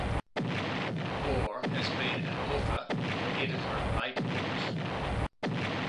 Orr has been an author or editor of eight books.